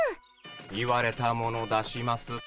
言われたもの出します。